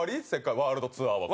ワールドツアーは終わり？